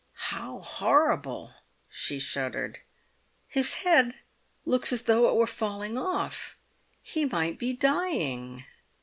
"How horrible!" she shuddered. "His head looks as though it were falling off! He might be dying."